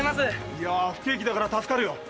いやあ不景気だから助かるよ。